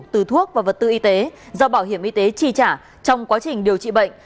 từ thuốc và vật tư y tế do bảo hiểm y tế chi trả trong quá trình điều trị bệnh